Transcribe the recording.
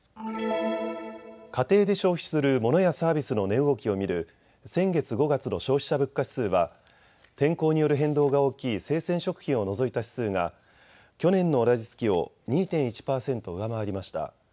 家庭で消費するモノやサービスの値動きを見る先月５月の消費者物価指数は天候による変動が大きい生鮮食品を除いた指数が去年の同じ月を２．１％上回りました。